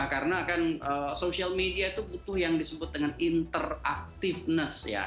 karena kan social media itu butuh yang disebut dengan interactiveness ya